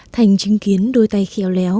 thành chứng kiến đôi tay khéo léo